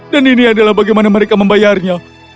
dan ini adalah bagaimana mereka membayarnya